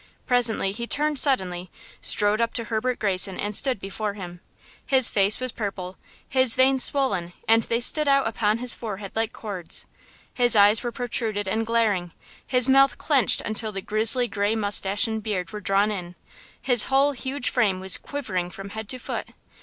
Presently he turned suddenly, strode up to Herbert Greyson and stood before him. His face was purple, his veins swollen and they stood out upon his forehead like cords, his eyes were protruded and glaring, his mouth clenched until the grizzly gray mustache and beard were drawn in, his whole huge frame was quivering from head to foot.